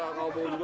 ya gurih kapurik